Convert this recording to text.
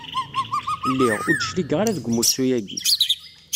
Lliɣ, ur d-cligeɣ ara deg umussu-agi.